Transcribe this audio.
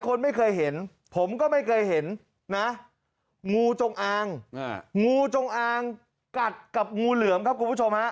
คนไม่เคยเห็นผมก็ไม่เคยเห็นนะงูจงอางงูจงอางกัดกับงูเหลือมครับคุณผู้ชมฮะ